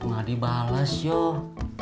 gak dibalas yoh